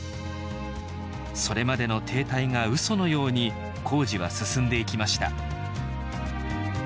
それまでの停滞がうそのように工事は進んでいきました